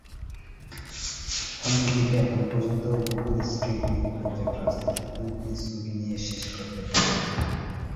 অন্যদিকে এখন পর্যন্ত গুগল স্ট্রিট ভিউ প্রজেক্ট রাস্তাটির পুরোপুরি ছবি নিয়ে শেষ করতে পারেনি।